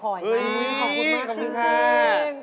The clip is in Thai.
ขอบคุณมากจริงขอบคุณมาก